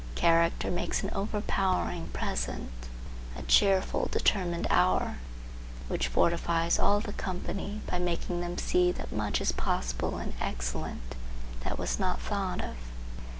Character makes an overpowering present; a cheerful, determined hour, which fortifies all the company by making them see that much is possible and excellent that was not thought of.